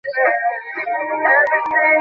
বাতাস এলোমেলো বহিতেছে।